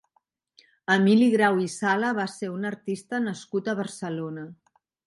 Emili Grau i Sala va ser un artista nascut a Barcelona.